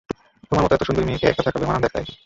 তোমার মতো এতো সুন্দরী মেয়েকে একা থাকা বেমানান দেখায়।